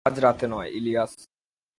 আজ রাতে নয়, ইলিয়াস।